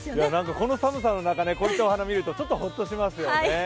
この寒さの中、こうしてお花を見るとちょっとほっとしますよね。